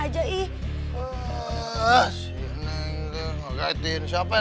ag dein mingit siapa